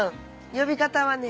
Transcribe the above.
呼び方はね